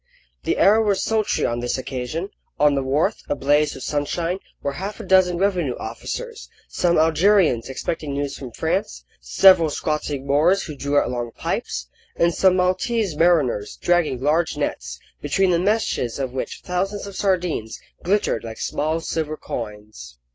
The air was sultry on this occasion. On the wharf, ablaze with sunshine, were half a dozen revenue officers, some Algerians expecting news from France, several squatting Moors who drew at long pipes, and some Maltese mariners dragging large nets, between the meshes of which thousands of sardines glittered like small silver coins.